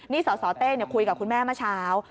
นี่สสเต้คุยกับคุณแม่เมื่อเช้า